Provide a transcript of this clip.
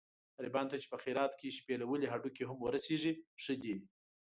غریبانو ته چې په خیرات کې شپېلولي هډوکي هم ورسېږي ښه دي.